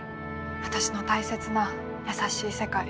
私の大切な優しい世界。